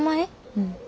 うん。